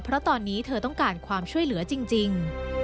เพราะตอนนี้เธอต้องการความช่วยเหลือจริง